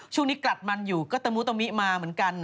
ช่วงนี้กรัดมันอยู่ก็ตะมูตะมิมาเหมือนกัน